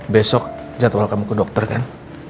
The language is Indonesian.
besok jadwal kamu ke dokter kan